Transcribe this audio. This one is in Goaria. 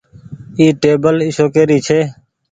اي ٽيبل اشوڪي ري ڇي۔